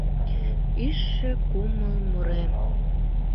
Ӱжшö кумыл мурем!»